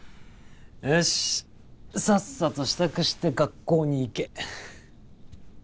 よしさっさと支度して学校に行け。